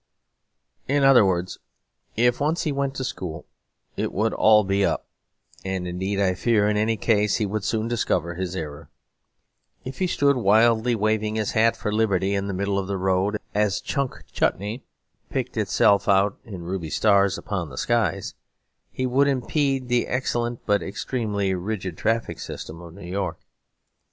In other words, if once he went to school it would be all up; and indeed I fear in any case he would soon discover his error. If he stood wildly waving his hat for liberty in the middle of the road as Chunk Chutney picked itself out in ruby stars upon the sky, he would impede the excellent but extremely rigid traffic system of New York.